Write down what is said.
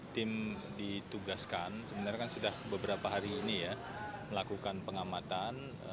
tim ditugaskan sebenarnya kan sudah beberapa hari ini ya melakukan pengamatan